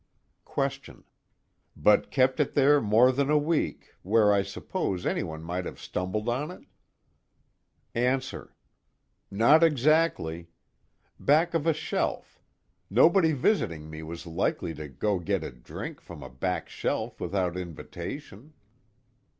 QUESTION: But kept it there more than a week, where I suppose anyone might have stumbled on it? ANSWER: Not exactly. Back of a shelf. Nobody visiting me was likely to go get a drink from a back shelf without invitation.